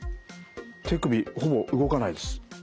手首ほぼ動かないです。